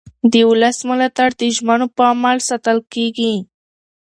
د ولس ملاتړ د ژمنو په عمل ساتل کېږي